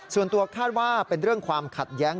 ส่วนตัวคาดว่าเป็นเรื่องความขัดแย้ง